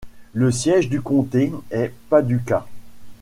Le siège du comté est Paducah.